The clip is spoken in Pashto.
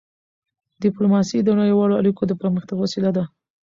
ډیپلوماسي د نړیوالو اړیکو د پرمختګ وسیله ده.